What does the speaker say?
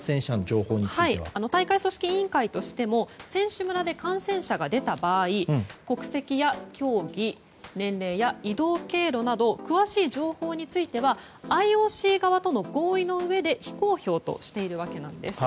大会組織委員会としても選手村で感染者が出た場合国籍や競技年齢や移動経路など詳しい情報についてはＩＯＣ側との合意のうえで非公表としているわけなんです。